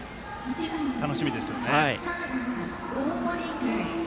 楽しみですよね。